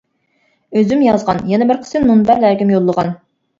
ئۆزۈم يازغان، يەنە بىر قىسىم مۇنبەرلەرگىمۇ يوللىغان.